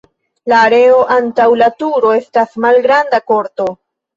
La areo antaŭ la turo estas malgranda korto.